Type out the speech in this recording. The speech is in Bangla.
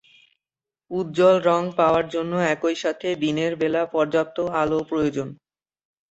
উজ্জ্বল রং পাওয়ার জন্য একইসাথে দিনের বেলা পর্যাপ্ত আলো প্রয়োজন।